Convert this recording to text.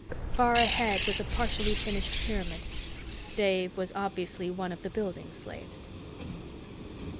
Far ahead was a partially finished pyramid. Dave was obviously one of the building slaves.